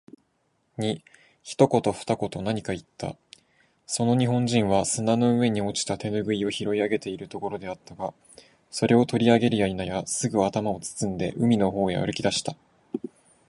彼はやがて自分の傍（わき）を顧みて、そこにこごんでいる日本人に、一言（ひとこと）二言（ふたこと）何（なに）かいった。その日本人は砂の上に落ちた手拭（てぬぐい）を拾い上げているところであったが、それを取り上げるや否や、すぐ頭を包んで、海の方へ歩き出した。